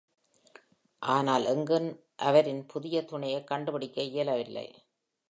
ஆனால் எங்கும் அவரின் புதிய துணையக் கண்டுபிடிக்க இயலவில்லை.